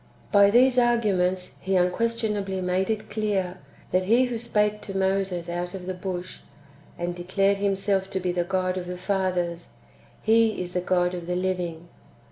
By these arguments He unquestionably made it clear, that He who spake to Moses out of the bush, and declared Him self to be the God of the fathers. He is the God of the living.